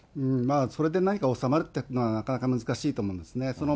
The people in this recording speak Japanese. それで何か収まるっていうのはなかなか難しいと思うんですね。